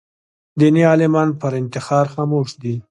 دیني عالمان پر انتحار خاموش دي